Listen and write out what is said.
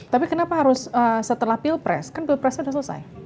tapi kenapa harus setelah pilpres kan pilpresnya sudah selesai